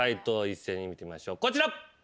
見てみましょうこちら！